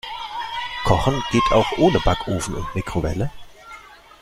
Kochen geht auch ohne Backofen und Mikrowelle.